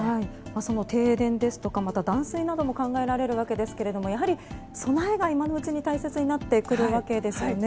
その停電ですとか断水なども考えられるわけですがやはり備えが今のうちに大切になってくるわけですよね。